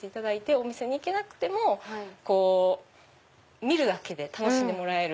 お店に行けなくても見るだけで楽しんでもらえる。